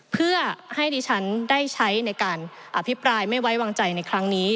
เพื่อให้ดิฉันได้ใช้ในการอภิปรายไม่ไว้วางใจในครั้งนี้